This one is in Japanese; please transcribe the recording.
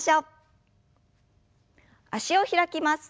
脚を開きます。